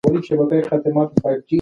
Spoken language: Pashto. د پوهې ډیوې باید په هر کور کې بلې شي.